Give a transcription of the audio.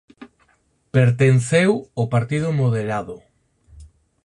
Pertenceu ao Partido Moderado.